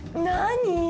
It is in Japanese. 何？